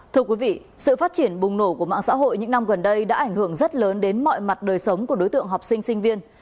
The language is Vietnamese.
thưa quý vị sự phát triển bùng nổ của mạng xã hội những năm gần đây đã ảnh hưởng rất lớn đến mọi mặt đời sống của đối tượng học sinh sinh viên